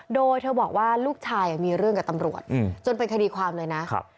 โดยเธอบอกว่าลูกชายมีเรื่องกับตำรวจจนเป็นคดีความเลยนะ